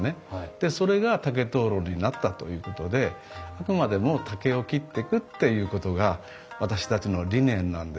でそれが竹灯籠になったということであくまでも竹を切ってくっていうことが私たちの理念なんです。